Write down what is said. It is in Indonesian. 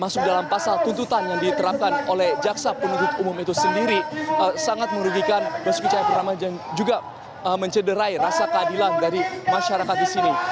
masuk dalam pasal tuntutan yang diterapkan oleh jaksa penutup umum itu sendiri sangat merugikan mesuy cahaya purnama dan juga mencederai rasa keadilan dari masyarakat disini